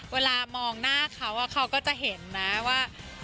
เวลามองหน้าเขาเขาก็จะเห็นนะว่า